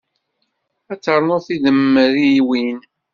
Ad ternuḍ tidemriwin.